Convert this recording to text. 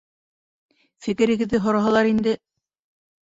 Фекерегеҙҙе һораһалар инде.